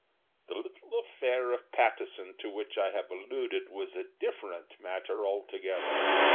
The little affair of Pattison to which I have alluded was a different matter altogether.